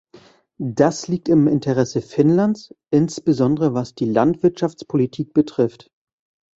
Das liegt im Interesse Finnlands, insbesondere was die Landwirtschaftspolitik betrifft.